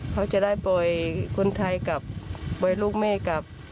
เขาจะได้ปล่อยคนไทยกลับปล่อยลูกแม่กลับ